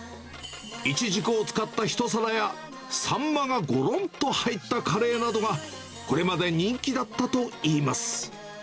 イチジクを使った１皿や、サンマがごろんと入ったカレーなどが、これまで人気だったといいます。